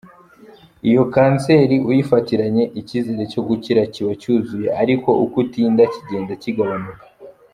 Iyo cancer uyifatiranye icyizere cyo gukira kiba cyuzuye ariko uko utinda kigenda kigabanuka.